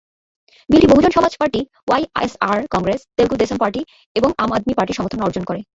বিলটি Bahujan Samaj party, YSR Congress, Telugu Desam party এবং আম আদমি পার্টির সমর্থন অর্জন করে।